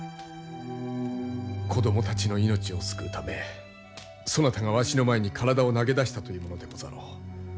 子供たちの命を救うためそなたがわしの前に体を投げ出したというものでござろう？